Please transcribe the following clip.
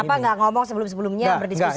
kenapa nggak ngomong sebelum sebelumnya berdiskusi